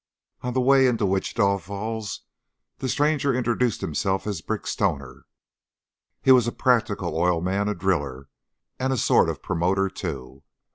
On the way in to Wichita Falls the stranger introduced himself as Brick Stoner. He was a practical oil man, a driller and a sort of promoter, too.